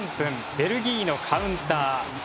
ベルギーのカウンター。